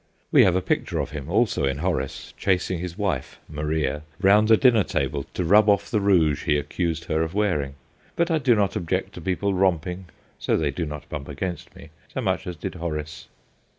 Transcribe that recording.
We have a picture of him, also in Horace, chasing his wife (Maria) round a dinner table to rub off the rouge he accused her of wearing; but I do not object to people romping, so they do not bump against me, so much as did Horace.